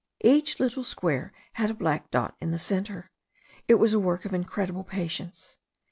Each little square had a black dot in the centre. It was a work of incredible patience.